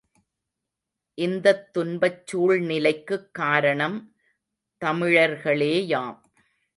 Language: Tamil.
இந்தத்துன்பச் சூழ்நிலைக்குக் காரணம் தமிழர்களேயாம்.